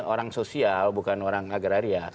orang sosial bukan orang agraria